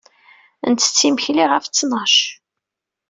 Nettett imekli ɣef ttnac.